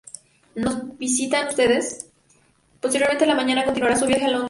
Posteriormente, en la mañana continuarían su viaje a Londres.